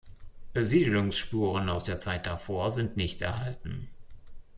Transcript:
Besiedlungsspuren aus der Zeit davor sind nicht erhalten.